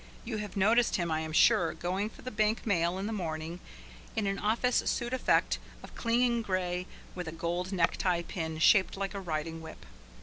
You have noticed him, I am sure, going for the bank mail in the morning in an office suit effect of clinging grey with a gold necktie pin shaped like a riding whip.